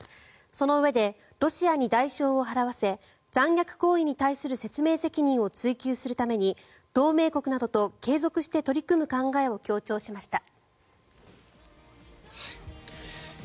そのうえでロシアに代償を払わせ残虐行為に対する説明責任を追及するために同盟国などと継続して取り組む考えを強調しました。